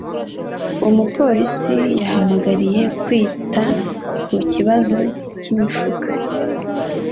Umupolisi yahamagariye kwita ku kibazo cy’imifuka